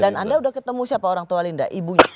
dan anda sudah ketemu siapa orang tua linda ibunya